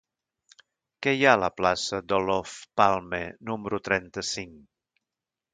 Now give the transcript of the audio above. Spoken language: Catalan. Què hi ha a la plaça d'Olof Palme número trenta-cinc?